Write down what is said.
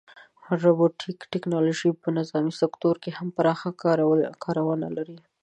روبوټیک ټیکنالوژي په نظامي سکتور کې هم پراخه کارونه لري.